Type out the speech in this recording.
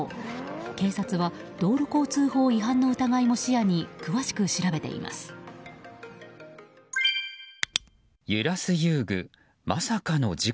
警察は道路交通法違反の疑いも視野に詳しく調べています。